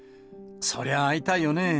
そりゃ、会いたいよね。